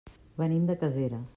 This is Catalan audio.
Venim de Caseres.